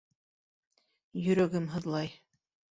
Йөрәгем һыҙлай...